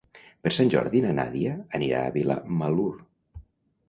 Per Sant Jordi na Nàdia anirà a Vilamalur.